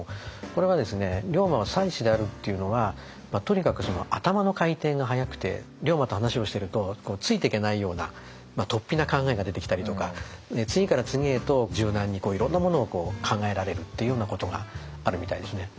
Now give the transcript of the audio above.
これは「龍馬は才子である」っていうのはとにかく頭の回転が速くて龍馬と話をしてるとついてけないようなとっぴな考えが出てきたりとか。次から次へと柔軟にこういろんなものを考えられるっていうようなことがあるみたいですね。